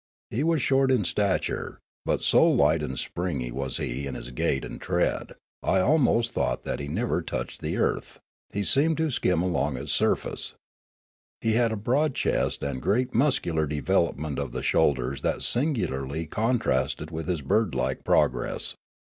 He was short in stature, but so light and springy was he in his gait and tread, I almost thought that he never touched the earth ; he seemed to skim along its surface. He had a broad chest and great muscular development of the shoulders that singularly contrasted with his bird like progress.